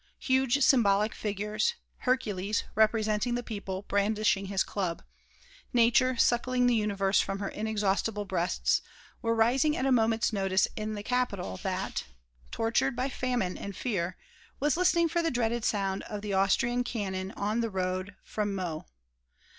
Huge symbolic figures, Hercules (representing the people) brandishing his club, Nature suckling the Universe from her inexhaustible breasts, were rising at a moment's notice in the capital that, tortured by famine and fear, was listening for the dreaded sound of the Austrian cannon on the road from Meaux.